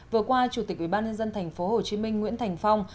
vừa qua chủ tịch ủy ban nhân dân thành phố hồ chí minh nguyễn thành phong